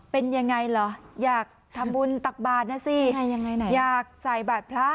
เป็นยังไงเหรออยากทำบุญตักบาทนะสิยังไงอยากใส่บาทพระ